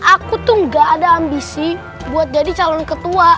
aku tuh gak ada ambisi buat jadi calon ketua